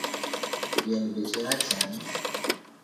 Diel beche rach sani